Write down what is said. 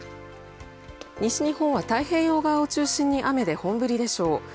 西日本は太平洋側を中心に雨で本降りでしょう。